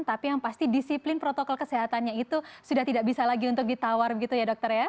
tapi yang pasti disiplin protokol kesehatannya itu sudah tidak bisa lagi untuk ditawar gitu ya dokter ya